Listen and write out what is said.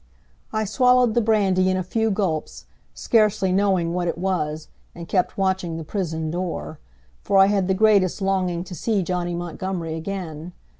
I swallowed the brandy in a few gulps, scarcely knowing what it was, and kept watching the prison door, for I had the greatest longing to see Johnny Montgomery again.